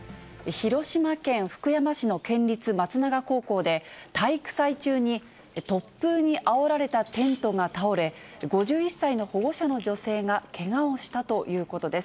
広島県福山市の県立松永高校で、体育祭中に、突風にあおられたテントが倒れ、５１歳の保護者の女性がけがをしたということです。